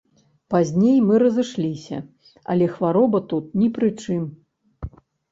Пазней мы разышліся, але хвароба тут ні пры чым.